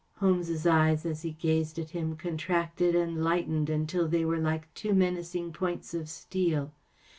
‚ÄĚ Holmes's eyes, as he gazed at him, con¬ tracted and lightened until they were like two menacing points of steel.